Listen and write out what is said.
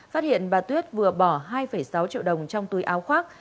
phát hiện bà tuyết vừa bỏ hai sáu triệu đồng trong túi áo khoác